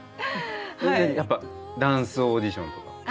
やっぱダンスオーディションとか。